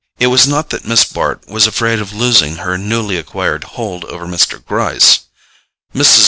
It was not that Miss Bart was afraid of losing her newly acquired hold over Mr. Gryce. Mrs.